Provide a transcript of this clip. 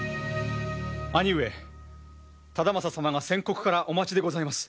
兄上忠正様が先刻からお待ちでございます。